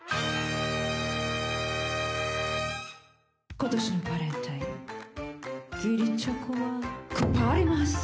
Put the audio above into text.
今年のバレンタイン義理チョコは配ります。